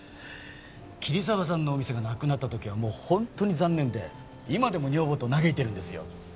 桐沢さんのお店がなくなった時はもう本当に残念で今でも女房と嘆いてるんですよ。